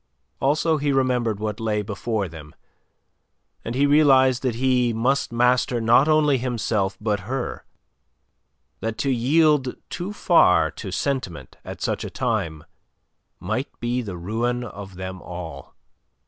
Also he remembered what lay before them; and he realized that he must master not only himself but her; that to yield too far to sentiment at such a time might be the ruin of them all.